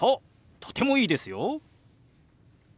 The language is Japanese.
とてもいいですよ。